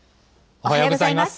おはようございます。